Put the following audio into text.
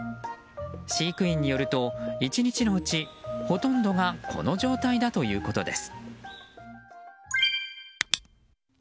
飼育員によると１日のうちほとんどがこの状態だということです。